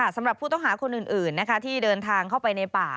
สำหรับผู้ต้องหาคนอื่นที่เดินทางเข้าไปในป่า